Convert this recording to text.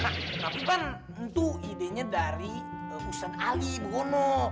tapi pan itu idenya dari ustadz ali bu gono